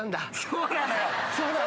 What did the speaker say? そうなのよ。